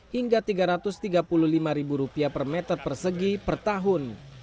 hingga rp tiga ratus tiga puluh lima per meter persegi per tahun